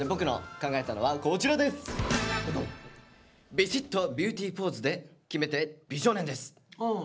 「ビシッと“Ｂｅａｕｔｙポーズ”で決めて『美少年です！』」。